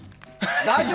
大丈夫？